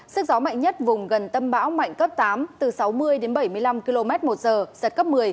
sức gió mạnh nhất vùng gần tâm bão mạnh cấp tám từ sáu mươi đến bảy mươi năm km một giờ giật cấp một mươi